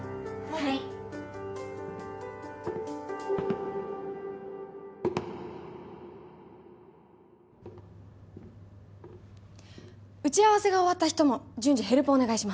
・コツコツコツ打ち合わせが終わった人も順次ヘルプお願いします。